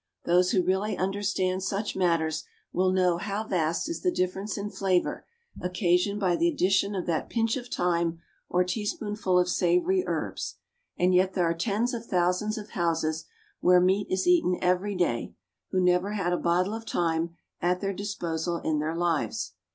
Those who really understand such matters will know how vast is the difference in flavour occasioned by the addition of that pinch of thyme or teaspoonful of savoury herbs, and yet there are tens of thousands of houses, where meat is eaten every day, who never had a bottle of thyme at their disposal in their lives.